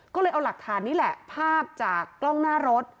ก็เลยเอาหลักฐานนี่แหละภาพจากกล้องหน้ารถ